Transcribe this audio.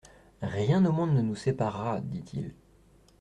—Rien au monde ne nous séparera,» dit-il.